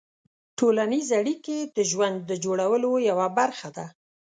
ټولنیز اړیکې د ژوند د جوړولو یوه برخه ده.